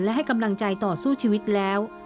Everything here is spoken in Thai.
และให้กำลังใจต่อสู้ชีวิตแล้ว